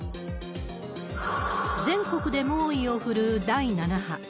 全国で猛威を振るう第７波。